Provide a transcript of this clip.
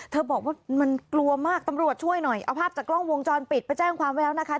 บอกว่ามันกลัวมากตำรวจช่วยหน่อยเอาภาพจากกล้องวงจรปิดไปแจ้งความไว้แล้วนะคะ